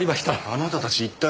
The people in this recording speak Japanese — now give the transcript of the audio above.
あなたたち一体。